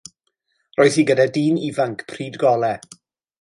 Roedd hi gyda dyn ifanc pryd golau.